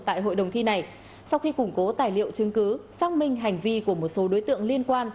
tại hội đồng thi này sau khi củng cố tài liệu chứng cứ xác minh hành vi của một số đối tượng liên quan